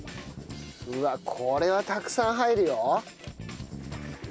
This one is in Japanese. うわこれはたくさん入るよ。